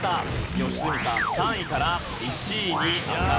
良純さん３位から１位に上がってきます。